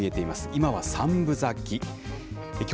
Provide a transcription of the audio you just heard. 今は３分咲き。